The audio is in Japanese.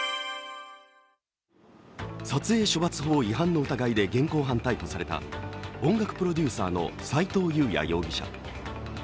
撮影処罰法違反の疑いで現行犯逮捕された音楽プロデューサーの斎藤悠弥容疑者。